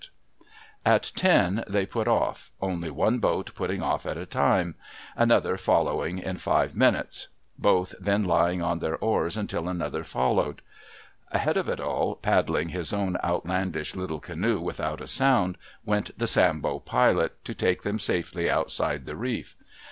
158 PERILS OF CKRTAIN ENGLISH PRISONERS At ten, they put off; only one boat jmtting off at a time ; another following in five minutes ; both then lying on their oars until another followed. Ahead of all, paddling his own outlandish little canoe without a sound, went the Sambo pilot, to take them safely outside the reef.